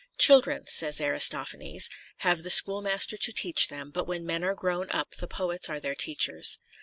" Children," says Aristophanes, " have the schoolmaster to teach them, but when men are grown up the poets are their teachers."